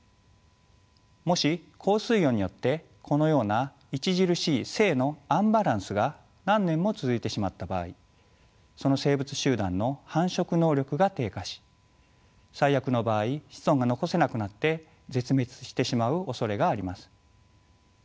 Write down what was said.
もし高水温によってこのような著しい性のアンバランスが何年も続いてしまった場合その生物集団の繁殖能力が低下し最悪の場合子孫が残せなくなって絶滅してしまうおそれがあります。